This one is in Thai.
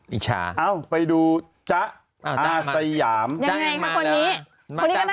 อิจฉาะอ้าวไปดูจ๊ะอาสายามจ๊ะมันมาแล้วยังไงค่ะคนนี้